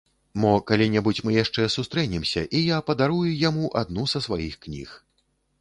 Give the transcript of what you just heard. Мо калі-небудзь мы яшчэ сустрэнемся, і я падарую яму адну са сваіх кніг.